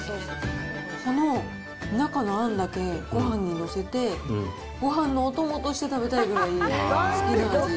この中のあんだけ、ごはんに載せて、ごはんのお供として食べたいぐらい、好きな味。